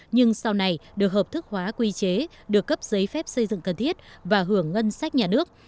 nhưng sau này được hợp thức hóa quy chế được cấp giấy phép xây dựng cần thiết và hưởng ngân sách nhà nước